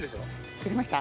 切れました？